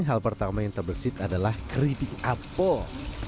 hal pertama yang terbersit adalah keripik apel